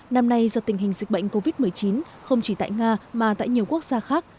năm nay do tình hình dịch bệnh covid một mươi chín không chỉ tại nga mà tại nhiều quốc gia khác